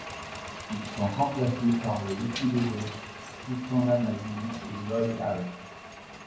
Ils sont remplacés par les lucky losers Tristan Lamasine et Lloyd Harris.